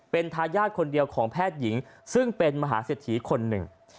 เป็นทายาทคนเดียวของแพทย์หญิงซึ่งเป็นมหาเศรษฐีคนหนึ่ง